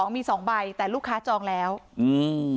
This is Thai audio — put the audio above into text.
มีสองใบแต่ลูกค้าจองแล้วอืม